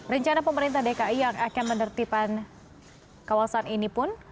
rencana pemerintah dki yang akan menertiban kawasan ini pun